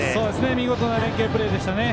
見事な連係プレーでしたね。